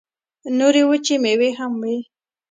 نورې وچې مېوې هم وې.